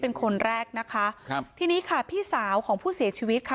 เป็นคนแรกนะคะครับทีนี้ค่ะพี่สาวของผู้เสียชีวิตค่ะ